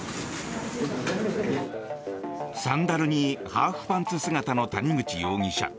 サンダルにハーフパンツ姿の谷口容疑者。